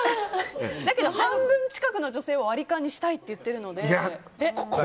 だけど半分近くの女性は割り勘にしたいと言ってるので。